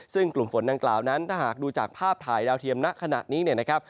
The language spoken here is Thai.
ซึ่งกลุ่มฝนดังกล่าวนั้นถ้าหากดูจากภาพถ่ายดาวเทียมณขณะนี้เนี่ยนะครับ